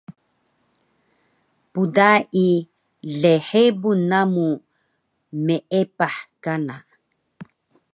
pdai lhebun namu meepah kana